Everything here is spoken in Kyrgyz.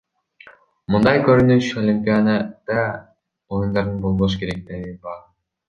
Мындай көрүнүш Олимпиада оюндарында болбош керек, — деди Бах.